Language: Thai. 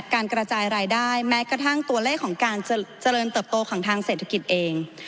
การกระจายรายได้แม้กระทั่งตัวเลขของการเจริญเติบโตของทางเศรษฐกิจเอง